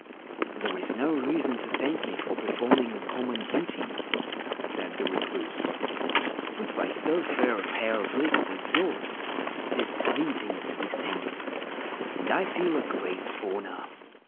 'There is no reason to thank me for performing a common duty/ said the Recluse ;' but by so fair a pair of lips as yours it is pleasing to be thanked, and I feel the great honour.